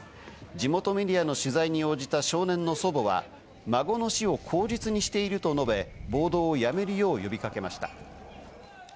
地元メディアの取材に応じた少年の祖母は、孫の死を口実にしていると述べ、暴動をやめるよう呼び掛けました。